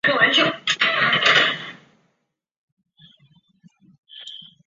枫丹白露度假村曾为度假村创造营收新高。